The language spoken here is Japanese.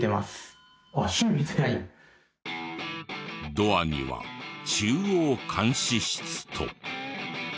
ドアには「中央監視室」と。